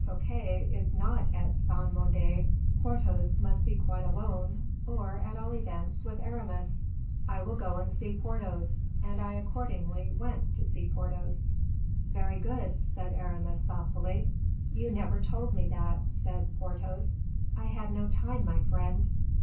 Fouquet is not at Saint Mande, Porthos must be quite alone, or, at all events, with Aramis; I will go and see Porthos, and I accordingly went to see Porthos." "Very good," said Aramis, thoughtfully. "You never told me that," said Porthos. "I had no time, my friend."